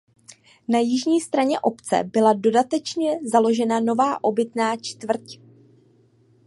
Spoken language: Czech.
Na jižní straně obce byla dodatečně založena nová obytná čtvrť.